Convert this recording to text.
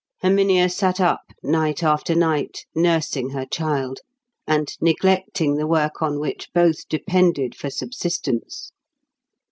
Herminia sat up night after night, nursing her child, and neglecting the work on which both depended for subsistence.